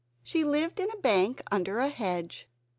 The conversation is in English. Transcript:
She lived in a bank under a hedge.